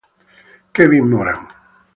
Kevin Moran